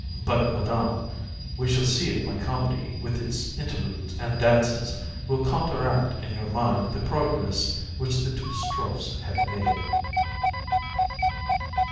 But, Madam, we shall see if my comedy, with its interludes and dances, will counteract in your mind the progress which the two strophes have made.